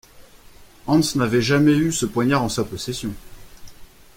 Hans n’avait jamais eu ce poignard en sa possession.